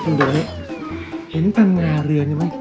เอกนี้เห็นตั้งงานเรือนไงไว้